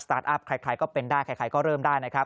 สตาร์ทอัพใครก็เป็นได้ใครก็เริ่มได้